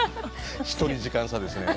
一人時間差ですね。